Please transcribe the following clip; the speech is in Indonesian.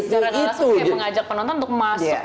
sejarah langsung ya mengajak penonton untuk masuk